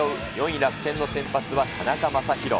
４位楽天の先発は田中将大。